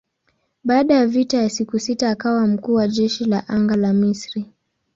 Baada ya vita ya siku sita akawa mkuu wa jeshi la anga la Misri.